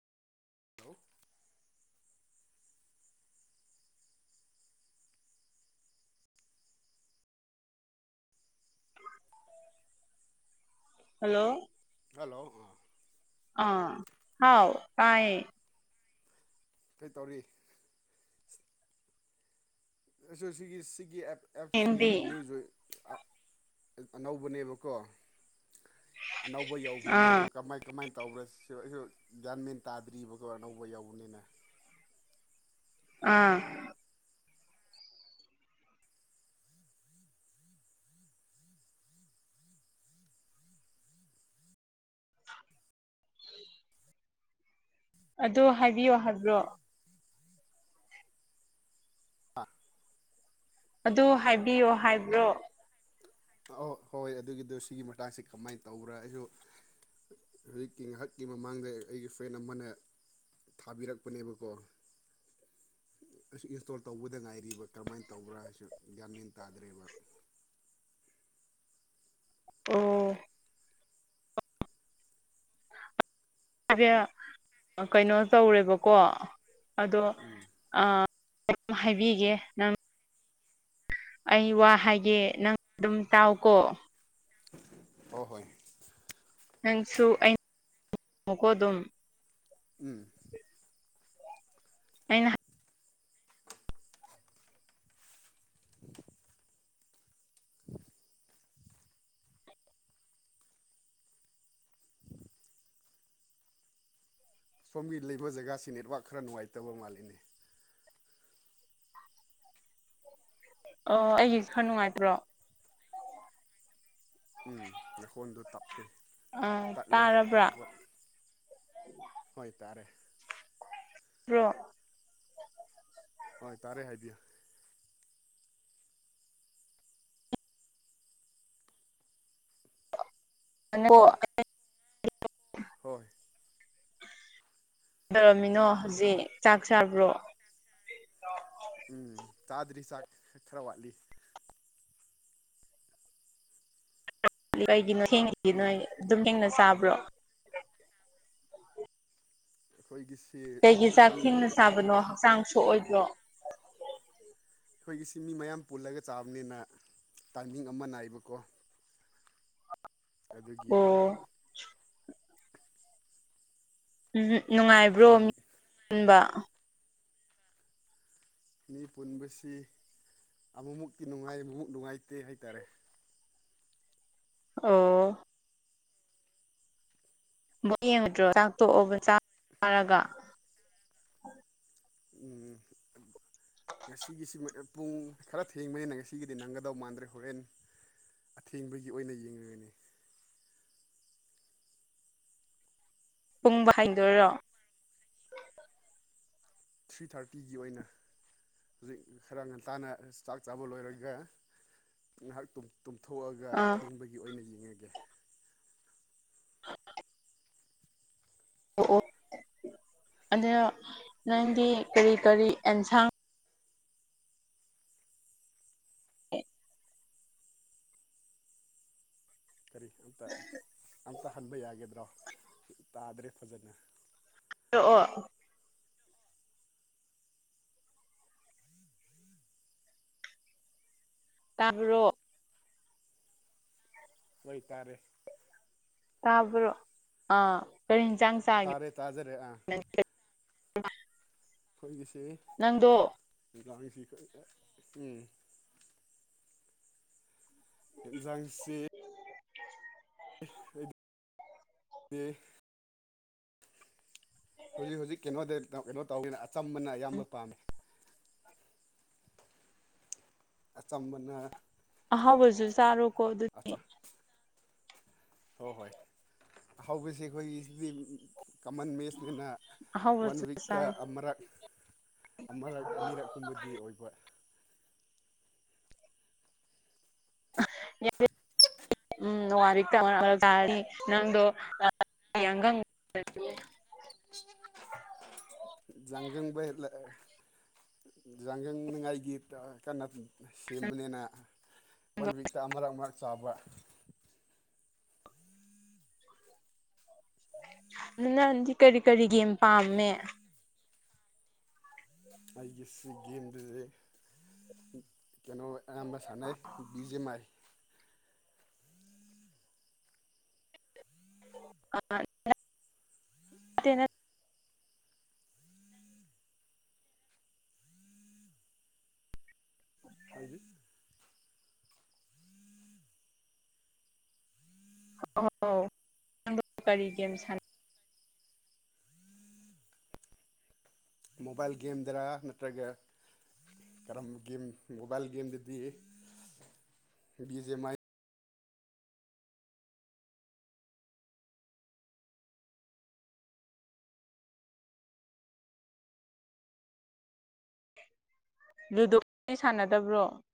hello hello hello ꯑꯥ ꯑꯥ ꯍꯥꯎ ꯇꯥꯏꯌꯦ ꯀꯩꯇꯧꯔꯤ [unintelligible] ꯁꯤꯒꯤ ꯁꯤꯒꯤ ꯑꯦꯞ ꯑꯦꯞꯁꯤ ꯅꯪꯗꯤ ꯅ꯭ꯌꯨꯖꯣꯏ ꯑ ꯑꯅꯧꯕꯅꯦꯕꯀꯣ ꯑꯅꯧꯕ ꯌꯧꯕꯅꯦ ꯑꯗꯨ ꯑꯥ ꯀꯃꯥꯏ ꯀꯃꯥꯏꯟ ꯇꯧꯕ꯭ꯔ ꯁꯤ ꯑꯩꯁꯨ ꯒ꯭ꯌꯥꯟ ꯃꯦꯟ ꯇꯥꯗ꯭ꯔꯤꯕꯀꯣ ꯑꯅꯧꯕ ꯌꯥꯎꯕꯅꯤꯅ ꯑꯥ ꯑꯗꯣ ꯍꯥꯏꯕꯤꯌꯣ ꯍꯥꯏꯕ꯭ꯔꯣ ꯑꯥ ꯑꯗꯨ ꯍꯥꯏꯕꯤꯌꯣ ꯍꯥꯏꯕ꯭ꯔꯣ ꯑꯣ ꯍꯣꯏ ꯑꯗꯨꯒꯤꯗꯣ ꯁꯤꯒꯤ ꯃꯇꯥꯡꯁꯦ ꯀꯃꯥꯏꯅ ꯇꯧꯕ꯭ꯔꯥ ꯑꯩꯁꯨ ꯔꯤꯛꯀꯤ ꯉꯥꯍꯥꯛꯀꯤ ꯃꯃꯥꯡꯗ ꯑꯩꯒꯤ ꯐ꯭ꯔꯦꯟ ꯑꯃꯅ ꯊꯥꯕꯤꯔꯛꯄꯅꯦꯕꯀꯣ ꯑꯩꯁꯨ ꯏꯟꯁꯇꯣꯜ ꯇꯧꯕꯗ ꯉꯥꯏꯔꯤꯕ ꯀꯃꯥꯏꯅ ꯇꯧꯕ꯭ꯔꯥ ꯍꯥꯏꯁꯨ ꯒ꯭ꯌꯥꯟꯃꯦꯟ ꯇꯥꯗ꯭ꯔꯦꯕ ꯑꯣ [unintelligible] ꯀꯩꯅꯣ ꯇꯧꯔꯦꯕꯀꯣ ꯑꯗꯣ ꯎꯝ ꯑ ꯀꯝ ꯍꯥꯏꯕꯤꯒꯦ ꯅꯪ ꯑꯩ ꯋꯥ ꯍꯥꯏꯒꯦ ꯅꯪ ꯑꯗꯨꯝ ꯇꯥꯎꯀꯣ ꯍꯣ ꯍꯣꯏ ꯅꯪꯁꯨ ꯑꯩꯅꯃꯨꯀꯣ ꯑꯗꯨꯝ ꯎꯝ ꯑꯩꯅ ꯍ ꯁꯣꯝꯒꯤ ꯂꯩꯕ ꯖꯒꯥꯁꯤ ꯅꯦꯠꯋꯥꯛ ꯈꯔ ꯅꯨꯡꯉꯥꯏꯇꯕ ꯃꯥꯜꯂꯤꯅꯦ ꯑꯣ ꯑꯩꯒꯤꯁꯨ ꯈꯔ ꯅꯨꯡꯉꯥꯏꯇ꯭ꯔꯣ ꯎꯝ ꯅꯈꯣꯟꯗꯣ ꯇꯞꯄꯦ ꯑꯥ ꯇꯠꯂꯦ ꯇꯥꯔꯕ꯭ꯔꯥ ꯐꯠꯐꯠ ꯍꯣꯏꯇꯥꯔꯦ ꯔꯣ ꯍꯣꯏ ꯇꯥꯔꯦ ꯍꯥꯏꯕꯤꯌꯨ ꯑꯣ ꯍꯣꯏ ꯇꯧꯔꯝꯃꯤꯅꯣ ꯍꯧꯖꯤꯛ ꯆꯥꯛ ꯆꯥꯕ꯭ꯔꯣ ꯎꯝ ꯆꯥꯗ꯭ꯔꯤ ꯆꯥꯛ ꯈꯔ ꯋꯥꯠꯂꯤ ꯀꯩꯒꯤꯅꯣ ꯍꯦꯡꯉꯤꯗꯤ ꯎꯝ ꯅꯣꯏ ꯗꯨꯝ ꯊꯦꯡꯅ ꯆꯥꯕ꯭ꯔꯣ ꯑꯩꯈꯣꯏꯒꯤꯁꯤ ꯀꯩꯒꯤ ꯆꯥꯛ ꯃꯤ ꯊꯦꯡꯅ ꯆꯥꯕꯅꯣ ꯍꯛꯆꯥꯡ ꯁꯣꯛꯑꯣꯏꯗꯔꯣ ꯑꯩꯈꯣꯏꯒꯤꯁꯤ ꯃꯤ ꯃꯌꯥꯝ ꯄꯨꯜꯂꯒ ꯆꯥꯕꯅꯤꯅ ꯇꯥꯏꯃꯤꯡ ꯑꯃ ꯅꯥꯏꯕꯀꯣ ꯑꯗꯨꯒꯤ ꯑꯣ ꯎꯝ ꯅꯨꯡꯉꯥꯏꯕ꯭ꯔꯣ ꯁꯣꯝ ꯃꯤꯟꯕ ꯃꯤ ꯄꯨꯟꯕꯁꯤ ꯑꯃꯃꯨꯛꯀꯇꯤ ꯅꯨꯡꯉꯥꯏ ꯑꯃꯃꯨꯛ ꯅꯨꯡꯉꯥꯏꯇꯦ ꯍꯥꯏꯇꯥꯔꯦ ꯑꯣ ꯕ ꯌꯦꯡꯉꯗ꯭ꯔꯣ ꯆꯥꯛ ꯇꯣꯛꯑꯣꯒ ꯆꯥ ꯆꯥꯔꯒ ꯎꯝ ꯉꯁꯤꯒꯤꯁꯤꯃ ꯄꯨꯡ ꯈꯔ ꯊꯦꯡꯕꯩꯅ ꯉꯁꯤꯒꯤꯗꯤ ꯅꯪꯒꯗꯧ ꯃꯥꯟꯗ꯭ꯔꯦ ꯍꯣꯔꯦꯟ ꯑꯊꯦꯡꯕꯒꯤ ꯑꯣꯏꯅ ꯌꯦ ꯌꯦꯡꯂꯒꯅꯤ ꯄꯨꯡꯕ ꯍꯗꯣꯏꯔꯣ ꯊ꯭ꯔꯤ ꯊꯥꯔꯇꯤꯒꯤ ꯑꯣꯏꯅ ꯍꯧꯖꯤꯛ ꯈꯔ ꯉꯟꯇꯥꯅ ꯆꯥꯛ ꯆꯥꯕ ꯂꯣꯏꯔꯒ ꯉꯥꯏꯍꯥꯛꯇꯨꯝ ꯇꯨꯝꯊꯣꯛꯑꯒ ꯑꯥ ꯑꯊꯦꯡꯕꯒꯤ ꯑꯣꯏꯅ ꯌꯦꯡꯉꯒꯦ ꯍ ꯑꯣ ꯑ ꯅꯪꯗꯤ ꯀꯔꯤ ꯀꯔꯤ ꯑꯦꯟꯁꯥꯡ ꯎ ꯀꯔꯤ ꯑꯝꯇ ꯑꯝꯇ ꯍꯟꯕ ꯌꯥꯒꯗ꯭ꯔꯣ ꯇꯥꯗ꯭ꯔꯦ ꯐꯖꯅ ꯑꯣ ꯑꯣ ꯇꯥ꯭ꯔꯣ ꯑꯣꯏꯇꯥꯔꯦ ꯇꯥꯕ꯭ꯔꯣ ꯑꯥ ꯀꯔꯤ ꯌꯦꯟꯁꯥꯡ ꯆꯥ ꯇꯔꯦ ꯇꯥꯖꯔꯦ ꯑꯩꯈꯣꯏꯒꯤꯁꯤ ꯅꯪꯗꯣ ꯂꯥꯡꯁꯤ ꯎꯝ ꯊꯦꯟꯖꯥꯡꯁꯤ [inaudible] ꯍꯧꯖꯤꯛ ꯍꯧꯖꯤꯛ ꯀꯩꯅꯣꯗ ꯀꯩꯅꯣ ꯇꯧꯋꯦꯅ ꯑꯆꯝꯕꯅ ꯑꯌꯥꯝꯕ ꯄꯥꯝꯃꯤ ꯑꯆꯝꯕꯅ ꯑꯍꯥꯎꯕꯁꯨ ꯁꯔꯣ ꯀꯣ ꯑꯗꯨ ꯑꯆꯥ ꯍꯣꯏ ꯍꯣꯏ ꯍꯧꯕꯁꯦ ꯑꯩꯈꯣꯏꯒꯤꯁꯤꯗꯤ ꯀꯃꯟ ꯃꯦꯁꯅꯤꯅ ꯋꯥꯟ ꯑꯍꯥꯎꯕꯁꯨ ꯋꯤꯛꯇ ꯆꯥꯔꯣ ꯑꯃꯔꯛ ꯑꯃꯔꯛ ꯑꯅꯤꯔꯛꯀꯨꯝꯕꯗꯤ ꯑꯣꯏꯕ [unintelligible] [unintelligible] [unintelligible] ꯌꯥꯡꯒꯪꯅꯤꯉꯥꯏꯒꯤ ꯀꯟꯅ ꯁꯦꯝꯕꯅꯤꯅ ꯋꯥꯟ ꯋꯤꯛꯇ ꯑꯃꯔꯛ ꯑꯃꯔꯛ ꯆꯥꯕ ꯅꯪ ꯅꯪꯗꯤ ꯀꯔꯤ ꯀꯔꯤ ꯒꯦꯝ ꯄꯥꯝꯃꯦ ꯑꯩꯥꯒꯤ ꯁꯤ ꯒꯦꯝꯗꯨꯗꯤ ꯀꯩꯅꯣ ꯑꯌꯥꯝꯕ ꯁꯥꯟꯅꯩ ꯕꯤꯖꯦꯝ ꯃꯥꯏ [unintelligible] ꯅꯠ [unintelligible] [unintelligible] ꯃꯣꯕꯥꯏꯜ ꯒꯦꯝꯗꯔ ꯅꯠꯇ꯭ꯔꯒ ꯀꯔꯝꯕ ꯒꯦꯝ ꯃꯣꯕꯥꯏꯜ ꯒꯦꯝꯗꯗꯤ ꯕꯤ ꯖꯦ ꯃꯥꯏ ꯂꯨꯗꯣꯗꯤ ꯁꯥꯟꯅꯗꯕ꯭ꯔꯣ